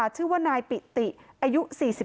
ชื่อว่านายปิติอายุ๔๒